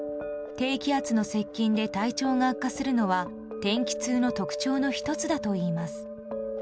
低気圧の接近で体調が悪化するのは天気痛の特徴の１つだといいます。